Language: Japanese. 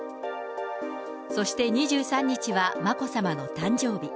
そして２３日は眞子さまの誕生日。